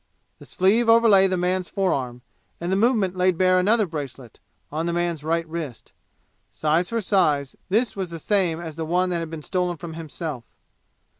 The sleeve overlay the man's forearm, and the movement laid bare another bracelet, on the man's right wrist. Size for size, this was the same as the one that had been stolen from himself.